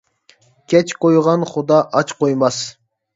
كەچ قويغان خۇدا ئاچ قويماس.